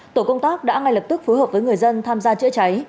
tổ công tác đã ngay lập tức phối hợp với người dân tham gia chữa cháy